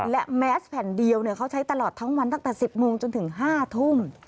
และแมสแผ่นเดียวเขาใช้ตลอดทั้งวันตั้งแต่๑๐โมงจนถึง๕ทุ่ม